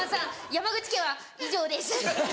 山口県は以上です。